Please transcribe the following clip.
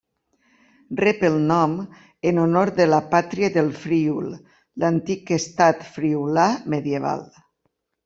Rep el nom en honor de la Pàtria del Friül, l'antic estat friülà medieval.